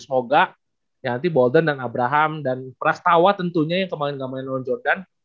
semoga ya nanti bolden dan abraham dan prastawa tentunya yang kembali kembali nolong jordan